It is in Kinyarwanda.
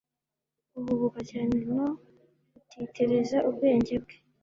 Guhubuka cyane no gutitiriza ubwenge bwe